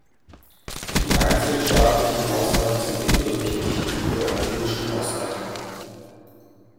Die einzelstaatlichen Haushalte sind ebenso wichtig wie die europäischen Haushalte.